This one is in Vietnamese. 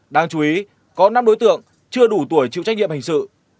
đáng chú ý có năm đối tượng chưa đủ tuổi chịu trách nhiệm hình sự